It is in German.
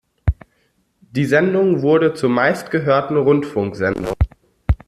Die Sendung wurde zur meistgehörten Rundfunksendung.